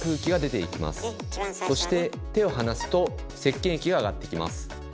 そして手を離すとせっけん液が上がってきます。